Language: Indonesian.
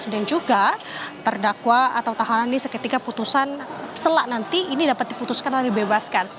dan juga terdakwa atau tahanan ini seketika putusan selak nanti ini dapat diputuskan atau dibebaskan